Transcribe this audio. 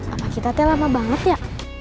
apa kita teh lama banget ya